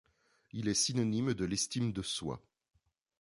Il est synonyme de l'estime de soi.